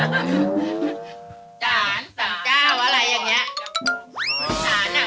จานสั่งเจ้าอะไรอย่างนี้